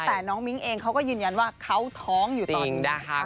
แต่น้องมิ้งเองเขาก็ยืนยันว่าเขาท้องอยู่ตอนนี้นะคะ